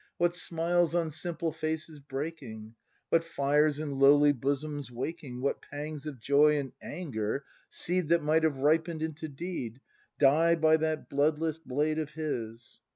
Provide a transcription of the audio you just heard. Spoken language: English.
What smiles on simple faces breaking. What fires in lowly bosoms waking. What pangs of joy and anger, seed That might have ripened into deed. Die by that bloodless blade of his!